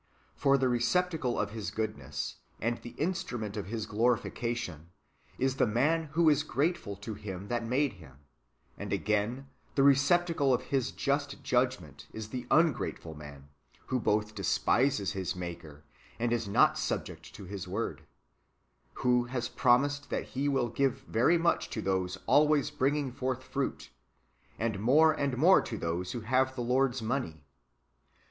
For the receptacle of His goodness, and the instrument of His glorification, is the man who is grateful to Him that made him ; and again, the receptacle of His just judgment is the ungrateful man, who both despises his Maker and is not subject to His Word ; who has promised that He will give very much to those always bringing forth fruit, and more [and more] to those who have the Lord's money.